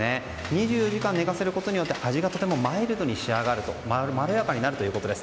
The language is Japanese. ２４時間寝かせることによって味がとてもマイルドに仕上がってまろやかになるということです。